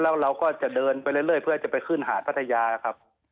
แล้วเราก็จะเดินไปเรื่อยเพื่อจะไปขึ้นหาดพัทยาครับ